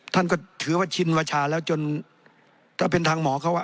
ท่านก็ถือว่าชินวชาแล้วจนถ้าเป็นทางหมอเขาว่า